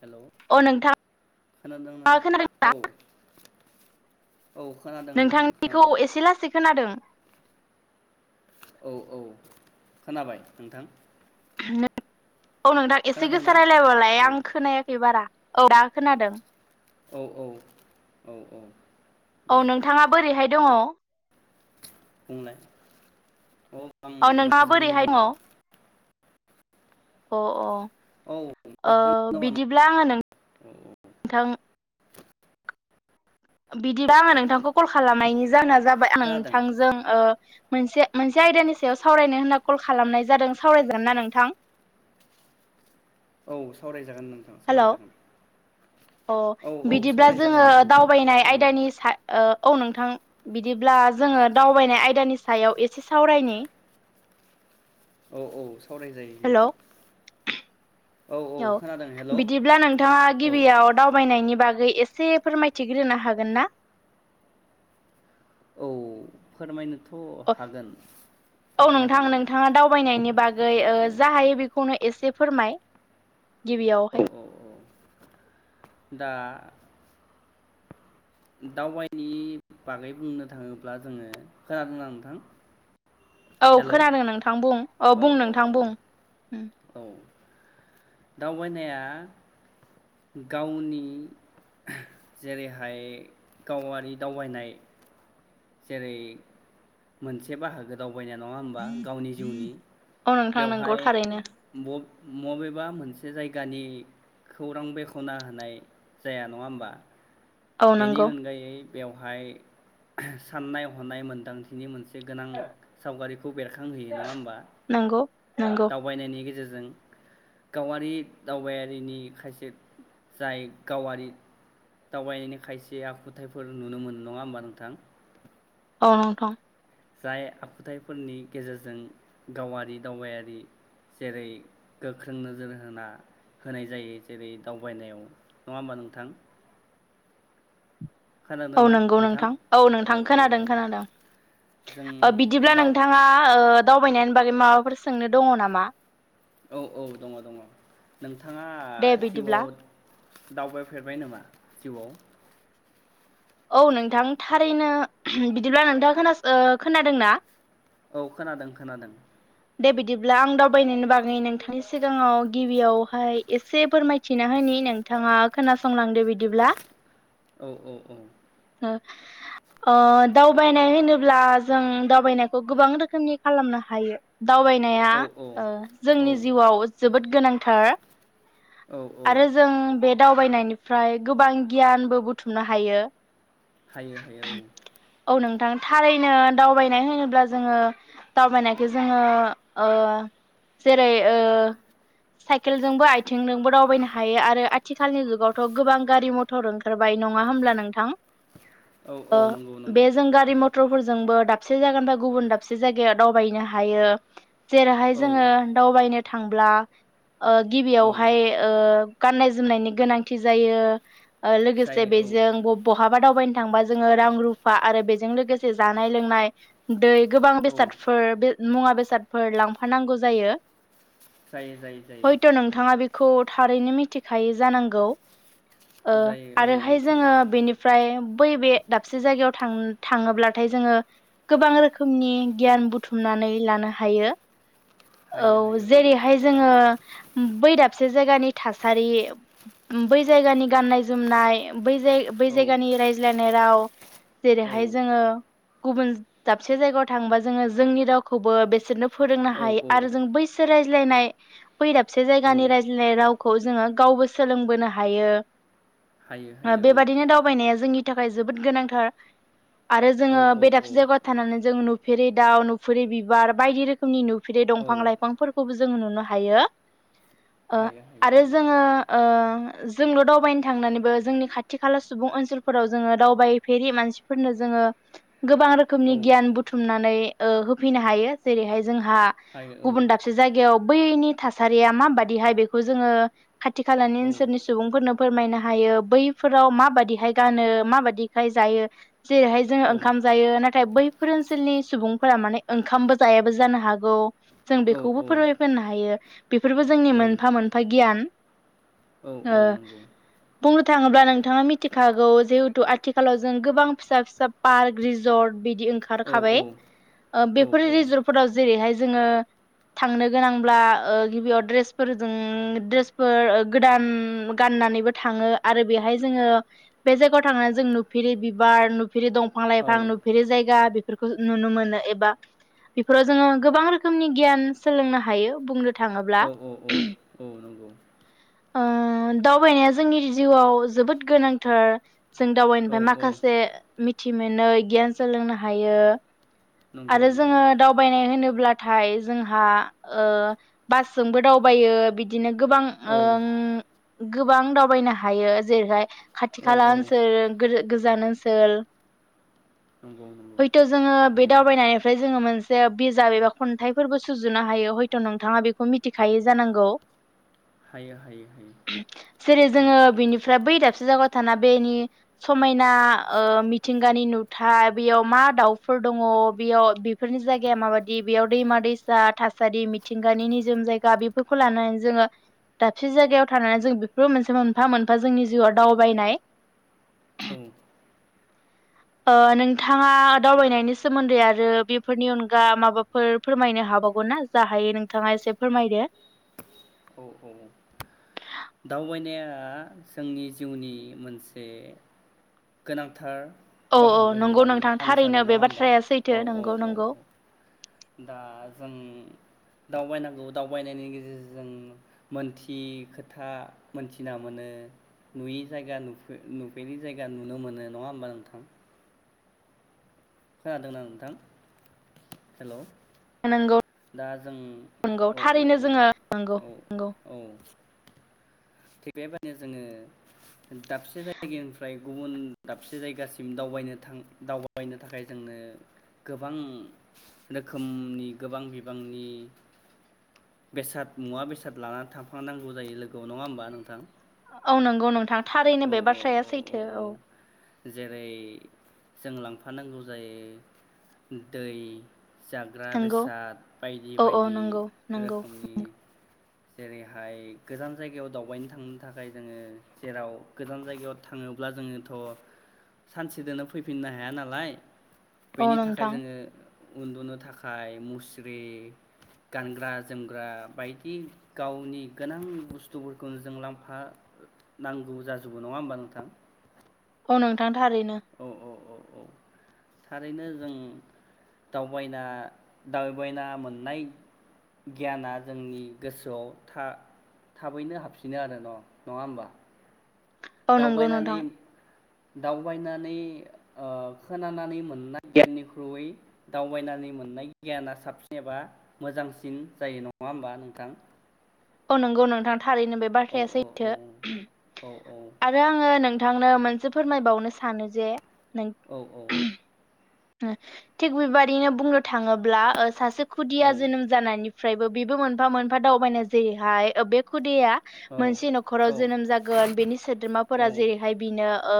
Hello अ नोंथाङ खोनादों नोंथांआ नोंथां खोनादों औ ना औ खोनादों नोंथां खोनादों नोंथांनिखौ एसे लासै खोनादों औ औ खोनाबाय नोंथां [unintelligible] औ नोंथां एसे खोनादोंना गोसाो रायजलायबालाय औ आं खोनायाखै बारा औ दा खोनादों औ औ औ औ औ नोंथाङा बोरैहाय दङ बुंनाय औ नोंथाङा बोरैहाय दङ? अ अ। औ अ मोजाङैनो दङ बिदिब्ला आङो नों औ थां औ बिदिबा आङो नोंथांखौ कल खालामनायनि जाहोना जाबाय आं खोनादों नोंथांजों ओ मोनसे मोनसे आयदानि सायाव सावरायनो होनना कल खालामनाय जादों सावरायजागोन ना नोंथां? औ सावराय जा हेल अ औ औ बिदिब्ला सावरायजागोन जोङो नोंथां दावबायनाय औ आयदानि सायाव अ। औ नोंथां बिदिब्ला जोङो दावबायनाय आयदानि सायाव एसे सावरायनि। औ औ सावरायजायो हेलौ नोंथां। औ बिदिब्ला नोंथाङा औ गिबियाव दावबायनायनि बाग एसे फोरमायथिग्रोनो हागोन ना? औ फोरमायनो हागोन औ नोंथां नोंथाङा दावबायनायनि बागै औ औ ओ जा हायो बेखौनो एसे फोरमाय‌ औ औ औ दा दावबायनि बागै बुंनो थाङोब्ला जोङो खोनादोंना नोंथां? औ हेलौ खोनादों नोंथां बुं औ बुं नोंथां बुं। औ। दावबायनाया गावनि जेरैहाय गावारि दावबायनाय जेरै मोनसे बाहागो‌ दाव बायनाय नङा होमबा गावनि जिउनि औ नोंथां नंगौ बेवहाय थारैनो बब मबेबा मोनसे जायगानि खौरां बेखना होनाय जाया नङा होमबा। औ बेनि नंगौ उनगायै बेवहाय साननाय हनाय मोन्दांथिनि मोनसे गोनां सावगारिखौ बेरखांहोयो नङा होमबा नंगौ नंगौ दावबायनायनि गेजेर जो जों गावारि दावबायारिनि खायसे जाय गावारि दावबाय हैनो खायसे आखुथायफोर नुनो मोनो नङा होमबा नोंथां? अ नोंथां। जाय आखुथाइफोरनि गेजेरजों गावारि दावबायारि जेरै गोख्रों नोजोर होना होनाय जायो जेरै दावबायनायाव नङा होमबा नोंथां? औ नोंगौ नोंथां औ नोंथां औ खोनादों खोनादों जों औ बिदिब्ला दाउ नोंथाङा ओ दावबायनायनि बागै माबाफोर सोंनो दङ नामा? औ औ दङ दङ नोंथाङा दे बिदिब्ला जिउआव दावबायफेरबाय नामा? जिउआव। औ नोंथां थारैनो बिदिब्ला नोंथाङा खोनासो खोनादोंना? औ खोनादों खोनादों। दे बिदिब्ला आं दावबायनायनि बागै नोंथांनि सिगाङाव गिबियावहाय एसे फोरमायथिना होनि नोंथाङा खोनासंलांदो बिदिब्ला। औ औ औ। ओ अ दावबायनाय होनोब्ला जों दावबायनायखौ गोबां रोखोमनि खालामनो हायो। दावबायनाया औ ओ औ जोंनि जिउआव जोबोद गोनांथार। औ औ आरो जों बे दावबायनायनिफ्राय गोबां गियानबो बुथुमनो हायो। हायो हायो औ। औ नोंथां थारैनो दावबायनाय होनोब्ला जोङो दावबायनायखौ जो जोङो ओ जेरै ओ साइकेलजोंबो आइथिंनोंबो दावबायनो हायो आरो आथिखालनि जुगावथ' गोबां गारि मथर ओंखारबाय नङा होमब्ला नोंथां। औ औ ओ नंगौ बे नंगौ जों गारि मथ ट्रफोरजोंबो दाबसे जागानिफाय गुबुन दाबसे जायगायाव दावबायहैनो हा हायो। जेराहाय औ जोङो दावबायनो थांब्ला ओ औ गिबियावहाय ओ। गाननाय जोमनायनि गोनांथि जायो। लोगोसे जायो बेजों बब' बहाबा दावबायनो थांबा जोङो रां रुफा आरो बेजों लोगोसे जानाय लोंनाय दै गोबां औ बेसादफोर बे मुंवा बेसादफोर लांफानांगौ जायो। जायो जायो जायो। खौ थारैनो मिथिखायो जानांगौ। ओ जायो औ आरोहाय मिथियो जोङो बेनिफ्राय। बै बे दाबसे जायगायाव थां थाङोब्लाथाय जोङो गोबां रोखोमनि गियान बुथुम नानै लानो हायो। हायो औ हायो जेरैहाय जोङो थारैनो बै दाबसे जायगानि थासारि बै जायगानि गाननाय जोमनाय बै जाय बै औ जायगानि रायज्लायनाय राव औ जेरैहाय जोङो‌ गुबुन दाबसे जायगायाव थांबा जोङो जोंनि रावखौबो बेसोरनो फोरोंनो औ हायो औ आरो जों बैसो राय लायनाय बै दाबसे औ जायगानि रायज्लाय राव खौ जोङो गावबो सोलोंबोनो हायो। हायो हायो बेबादिनो दावबायनाया जोंनि। नि थाखाय जोबोद गोनांथार। आरो औ जोङो औ बे औ दाबसे जायगायाव थानानै जों नु। [unintelligible] दाउ नुफुरै बिबार बायदि रोखोमनि नु। फिरै औ दंफां लाइफांफोरखौबो। जोङो नुनो हायो। हायो आरो हायो जोङो। जोंल' दावबायनो थांनानैबो जोंनि खाथि खाला सुबुं ओनसोलफोराव जोङो दावबायफेरि मानसिफोरनो जोङो। गोबां रोखोमनि औ गियान बुथुमनानै। होफैनो हायो जेरैहाय। जोंहा हायो गुबुन दाबसे जायगायाव। बैनि थासारिया माबादिहाय बेखौ जोङो। खाथि खालानि औ ओनसोलनि सुबुंफोरनो। फोरमायनो हायो बैफोराव माबादिहाय गानो माबादिहाय जायो जेरैहाय जोङो औ ओंखाम जायो नाथाय बैफोरो टिनि सुबुं फोरा माने ओंखामबो जायाबो जानो हागौ जों औ बेखौबो फोरमायफोननो हायो बेफोरबो जोंनि औ मोनफा मोनफा गियान औ ओ औ नंगौ बुंनो थाङोब्ला नोंथाङा मिथिखागौ जिहुटु आथिखालाव जों गोबां फिसा फिसा पार्क रिजर्ट बिदि औ ओंखारखाबाय औ ओ औ बेफोर रिजरफोराव जेरैहाय जोङो थांनो गोनांब्ला ओ गिबियाव ड्रेसफोरजों ड्रेसफोर ओ गोदान गाननानैबो थाङो आरो बेहाय जोङो बे जायगायाव थांनानै जों नुफेरि बिबार फिरि दंफां लाइफां नुफेरि जायगा बि फोरखो नुनो मोनो एबा बेफोराव जोङो गोबां रोखोमनि गियान सोलोंनो हायो बुंनो थाङोब्ला औ औ औ औ नंगौ ओ दावबायनाया जोंनि जिउआव जोबोद गोनांथार जों औ दावाइनिफाय औ माखासे मि थि मोनै गियान सोलोंनो हायो नंगौ आरो नंगौ जोङो दावबायनाय होनोब्ला ब्लाथाय जोंहा ओ बासजोंबो दावबायो बि दिनो गोबां औ ओं गोबां दावबायनो हायो जेरैहाय खाथि औ खाला औ ओनसोर गोरो गोजान ओनसोल नंगौ नंगौ हयथ' जोङो बे थारैनो दावबायनायफ्राय जोङो मोनस जे बिजाब एबा खन्थाइफोरखौ सुजुनो हायो हयट' नोंथाङा बेखौ मिथिखायो जानांगौ हायो हायो हायो जेरै जोङो नंगौ बिनिफ्राय बै दाबसे जायग थाना बेनि समायना ओ मिथिंगानि नुथाय बेयाव मा दाउ फोर दङ बेयाव बेफोरनि जायगाया माबायदि बेयाव दैमा दैसा थासारि मिथिंगानि निजोम जायगा बेफोरखौ लानानै जोङो दाबसे जायगायाव थानानै जों बेफोरो मोनसे मोनफा मोनफा जोंनि जिउआव दावबायनाय औ ओ नोंथाङा दावबायनायनि सोमोन्दै आरो बेफोरनि अनगा माबाफोर फोरमायनो हाबावगौ ना जा हायो नोंथाङा एसे फोरमायदो औ औ औ दावबायनाया जोंनि जिउनि मोनसे गोनांथार औ औ बाहागो नंगौ होननानै नोंथां आं सानो थारैनो बे नङा होमबा बाथ्राया सैथो औ औ नंगौ औ नंगौ औ दा जों दावबायनांगौ दावबायनायनि गेजेरजों जों मोनथियै खोथा मोनथिना मोनो नुयि जायगा नुफे-नुफेरै जायगा नुनो मोनो नङा होमबा नोंथां खोनादोंना नोंथां हेलौ नंगौ दा जों नंगौ औ औ थारैनो औ जोङो नंगौ नंगौ औ औ बेबायदिनो जोङो दाबसे जायगानिफ्राय गुबुन दाबसे जायगासिम दावबायनो थां दावबायनो थाखाय जोंनो गोबां रोखोमनि गोबां बिबांनि बेसाद मुवा बेसाद लानानै थांफांनांगौ जायो लोगोआव नङा होमबा नोंथां औ नंगौ नोंथां थारैनो औ बे औ बाथ्राया औ सैथो औ जेरै जों लांफानांगौ जायो दै जाग्रा नंगौ बेसाद बायदि औ औ बायदि नंगौ नंगौ रोखोमनि जेरैहाय गोजान जायगायाव दावबायनो थांनो थाखाय जोङो जेराव गोजान जायगायाव थाङोब्ला जोङोथ' सानसेजोंनो फैफिननो हाया नालाय औ बेनि थाखाय नोंथां जोङो उन्दुनो थाखाय मुस्रि गानग्रा जोमग्रा बायदि गावनि गोनां बुस्थुफोरखौनो जों लांफानांगौ जाज जोबो नङा होमबा नोंथां औ नोंथां थारैनो औ औ औ औ थारैनो जों दावबायना दावबायना मोननाय गियाना जोंनि गोसोआव था-थाबैनो हाबफिनो आरो न' नङा होमबा औ नंगौ दावबायनानै नोंथां दाव बायनानै खोनानानै मोननाय गियाननिख्रुयै दावबायनानै मोननाय गियाना साबसिन एबा मोजांसिन जायो नङा होमबा नोंथां औ नंगौ नोंथां थारैनो बे औ बाथ्राया औ औ सैथो औ आरो आङो नोंथांनो मोन से फोरमायबावनो सानो जे नों औ औ। ओ थिग बेबादिनो बुंनो थाङोब्ला ओ सासे खुदिया जोनोम जानायनि फ्रायबो बेबो मोनफा मोनफा दावबायनाय जेरैहाय बे खुदिया औ मोनसे औ न'खराव जोनोम जागोन बेनि सोद्रोमाफोरा जेरैहाय बिनो ओ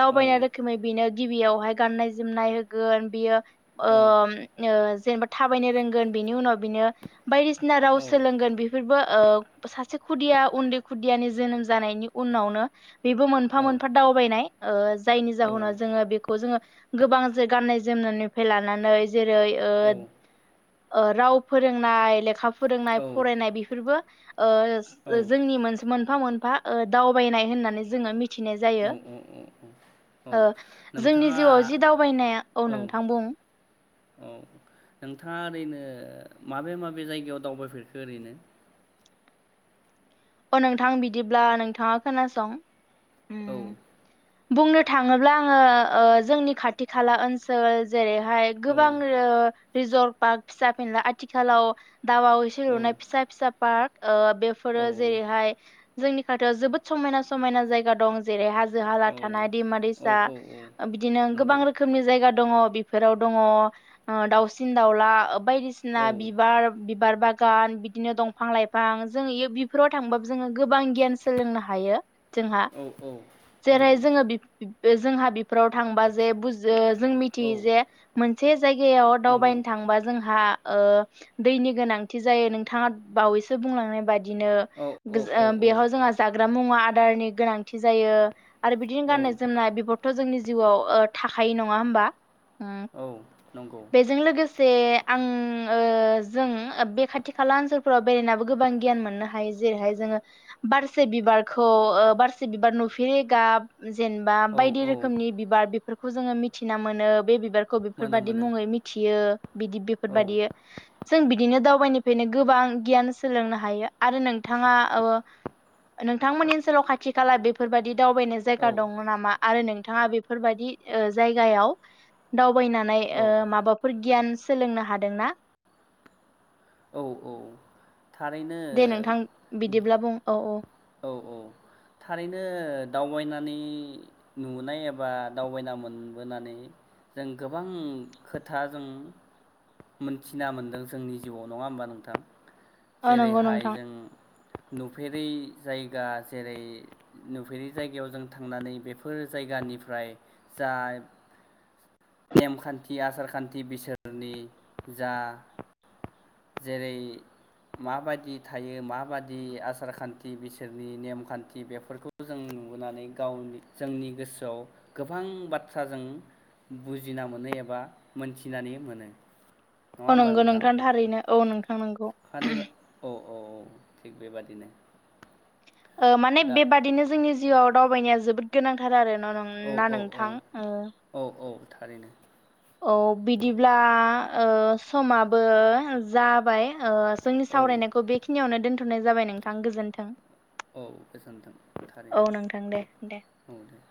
दावबायनाय रोखोमै बिनो गिबियावहाय गाननाय जोमनाय गोन बेयो ओम ओ जेनेबा थाबायनो रोंगोन बिनि उनाव बिनो बायदिसिना राव सोलोंगोन बेफोरबो ओ सासे खुदिया उन्दै खुदियानि जोनोम जानायनि उनावनो बेबो मोनफा मोनफा दावबायनाय। ओज जायनि जाहोनाव जोङो बेखौ जोङो गोबां गाननाय जोमनायनिफ्राय लानानै जेरै ओद औ ओ राव फोरोंनाय लेखा फोरोंनाय फरायनाय बेफोरबो ओ जोंनि मोन मोनफा मोन बा दावबायनाय होननानै जोङो मिथि ओ ओ ओ औ औ नोंथाङा फरायनाया औ नोंथां बुं औ नोंथाङा ओरैनो माबे माबे जायगायाव दावबायफेरखो ओरैनो? अ' नोंथां बिदिब्ला नोंथाङा खोनासं। औ उम बुंनो थाङोब्ला आङो ओ जोंनि खाथि खाला ओनसोल जेरै हाय औ गोबां रो रिजर्ट पार्क फिसा फिनला आथिखालाव दाउवाव एसे लुनाय फिसा फिसा पाक ओ औ बेफोरो, जेरैहाय जोंनि खाथियाव जोबोद समायना समायना जायगा दं जेरै हाजो जोहाला थानाय दैमा औ दैसा औ औ बिदिनो गोबां नंगौ रोखोमनि जायगा दङ, बिफोराव दङ दाउसिन दाउला बायदिसिना औ बिबार बिबार बाग गान बिदिनो दंफां लाइफां जोंनि बि बेफोराव थांबाबो जोङो गोबां गियान सोलोंनो हायो, जोंहा औ औ जेरै नंगौ जोङो बि बे जोंहा बिब फोराव थांबा जे बुजो जो औ मिथियो जे मोन जायगायाव नंगौ दावबायनो थांबा जोंहा, ओ दैनि गोनांथि जायो नोंथाङा बावैसो बुंलांनाय बायदिनो, औ औ गो औ ओ औ बेहाव जोंहा जाग्रा मुंवा अर्दारनि गोनांथि जायो आरो बिदि औ गाननाय जोमनाय बिब थ' जोंनि जिउआव ओ थाखायो नङा होमबा? ओ औ नंगौ बेजों लोगोस जे आं ओ जों बे खाथि खाला ओनसोलफोराव बेरायनाबो गोबां गियान मोननो हायो जेरैहाय जोङो बारसे बिबारखौ बारसे बिबार नुफेरे गाब जेनबा औ बायदि औ रोखोमनि बिबार फोरखौ जोङो मिथिना मोनो बे बिबार खौ मोनो बेफोरबाददि मोनो मुङै मिथियो बिदि औ बेफोरबादि जों बि दिनो दावबानिफ्रायनो गोबां गियान सोलोंनो हायो आरो नों थाङा ओव नोंथांमोननि ओनसोलाव खाथि खाला बेफोरबायादि दावबायनाय औ जायगा दङ नामा आरो नोंथाङा बेफोरबादि ओ जायगायाव दावबायनानै औ ओ माबाफोर गियान सोलोंनो हादोंना औ औ थारैनो दे नोंथां बिदिब्ला बुं औ औ औ औ थारैनो दावबायनानै नुनाय एबा दावबायना मोनबोनानै जों गोबां खोथा जों मोनथिना मोनदों जोंनि जिउआव नङा होमबा नोंथां औ नंगौ जेरैहाय नोंथां जों नुफेरै जायगा जेरै नुफेरि जायगायाव जों थांनानै बेफोर जायगानिफ्राय जा नेमखान्थि आसार खान्थि बिसोरनि जा जेरै माबायदि थायो माबादि आसार खान्थि बिसोरनि नेमखान्थि बेफोरखौ जों नुबोनानै गावनि जोंनि गोसोआव गोबां बाथ्रा जों बुजिना मोनो एबा मोनथिनानै मोनो नङा औ होमबा नंगौ नोंथां थारैनो औ नोंथां नंगौ [unintelligible] औ थिग बेबादिनो ओ माने दा बेबादिनो जोंनि जिआव दावबायनाया जोबोद गोनांथार आरो [unintelligible] औ ना औ औ नोंथां ओ औ औ थारैनो औ बिदिब्ला ओ समाबो जाबाय ओ जोंनि औ सावरायनायखौ बेखिनियावनो दोनथ नाय जाबाय नोंथां गोजोन्थों औ गोजोन्थों औ नोंथां दे थारैनो दे औ दे